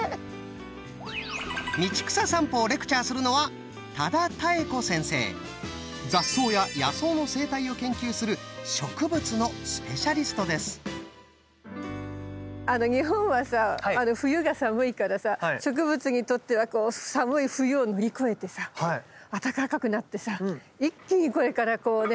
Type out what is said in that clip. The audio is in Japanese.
道草さんぽをレクチャーするのは雑草や野草の生態を研究する日本はさ冬が寒いからさ植物にとっては寒い冬を乗り越えてさ暖かくなってさ一気にこれからこうね